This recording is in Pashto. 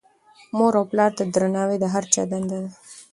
مور او پلار ته درناوی د هر چا دنده ده.